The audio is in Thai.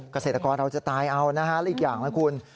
เกษตรกรเราจะตายเอานะฮะและอีกอย่างนะคุณ